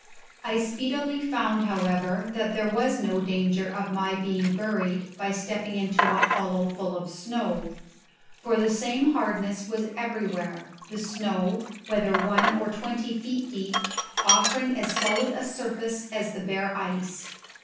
I speedily found, however, that there was no danger of my being buried by stepping into a hollow full of snow; for the same hardness was everywhere, the snow, whether one or twenty feet deep, offering as solid a surface as the bare ice.